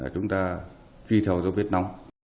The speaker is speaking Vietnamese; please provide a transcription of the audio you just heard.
chúng ta truy theo dấu vết nóng